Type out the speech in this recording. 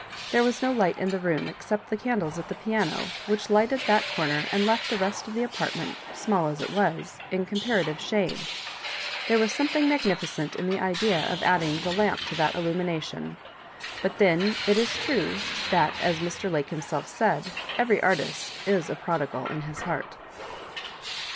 There was no light in the room ex cept the candles at the piano, which lighted that comer and left the rest of the apartment, small as it was, in comparative shade. There was something magnificent in the idea of adding the lamp to that illumination ; but then it is true that, as Mr. Lake himself said, " every artist is a prodigal in his heart."